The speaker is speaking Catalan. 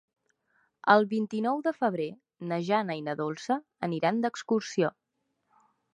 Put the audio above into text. El vint-i-nou de febrer na Jana i na Dolça aniran d'excursió.